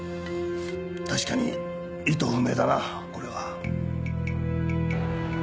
確かに意図不明だなこれは。